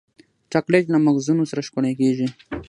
چاکلېټ له مغزونو سره ښکلی کېږي.